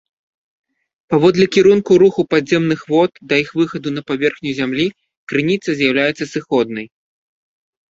Паводле кірунку руху падземных вод да іх выхаду на паверхню зямлі крыніца з'яўляецца сыходнай.